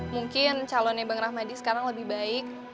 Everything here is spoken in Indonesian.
mungkin calonnya bang rahmadi sekarang lebih baik